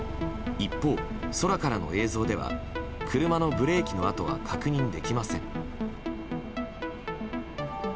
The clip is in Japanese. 一方、空からの映像では車のブレーキの跡は確認できません。